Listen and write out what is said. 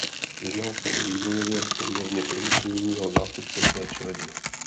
Jednalo se o vývojově poměrně primitivního zástupce své čeledi.